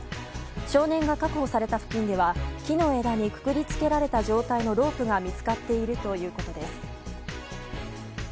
少年が確保された付近では木の枝にくくり付けられた状態のロープが見つかっているということです。